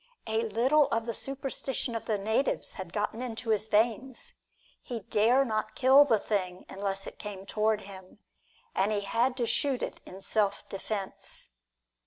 A little of the superstition of the natives had gotten into his veins: he dare not kill the thing unless it came toward him, and he had to shoot it in self defense.